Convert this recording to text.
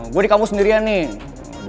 gue di kampung sendirian nih